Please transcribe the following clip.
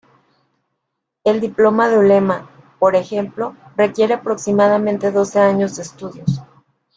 El diploma de ulema, por ejemplo, requiere aproximadamente doce años de estudio.